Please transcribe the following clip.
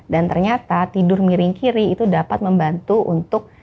dan ternyata tidur miring kiri itu dapat membantu untuk